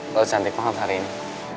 bagus cantik banget hari ini